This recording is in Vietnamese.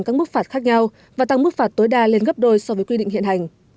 các mức phạt khác nhau và tăng mức phạt tối đa lên gấp đôi so với quy định hiện hành